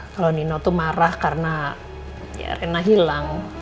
kalau nino tuh marah karena rena hilang